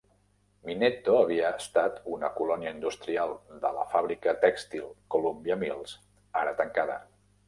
Minetto havia estat una colònia industrial de la fàbrica tèxtil Columbia Mills, ara tancada.